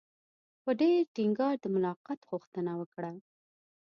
په ډېر ټینګار د ملاقات غوښتنه وکړه.